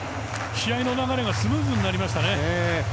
試合の流れがスムーズになりましたね。